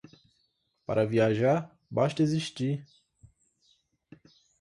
Para viajar basta existir.